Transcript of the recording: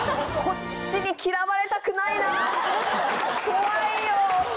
怖いよ！